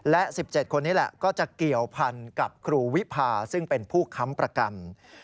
และ๑๗คนนี้แหละก็จะเกี่ยวพันกับครูวิพาซึ่งเป็นผู้ค้ำประกัน